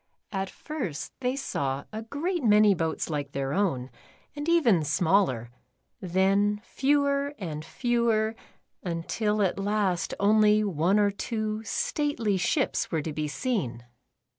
At first they saw a great 146 The Upsidedownlans. 147 many boats like their own, and even smaller, then fewer and fewer, until, at last, only one or two stately ships were to be seen.